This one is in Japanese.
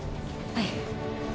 はい！